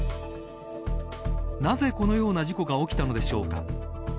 なぜ、このような事故が起きたのでしょうか。